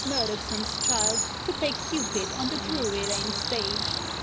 Murdoekson's child to play Cupid on the Drury Lane stage.